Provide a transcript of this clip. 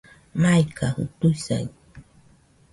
Maikajɨ tuisai